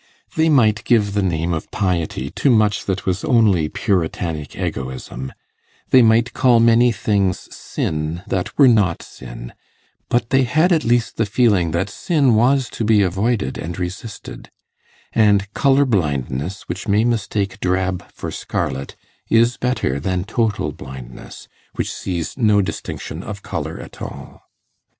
They might give the name of piety to much that was only puritanic egoism; they might call many things sin that were not sin; but they had at least the feeling that sin was to be avoided and resisted, and colour blindness, which may mistake drab for scarlet, is better than total blindness, which sees no distinction of colour at all.